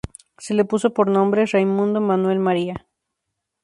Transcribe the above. Se le puso por nombres Raimundo, Manuel, María.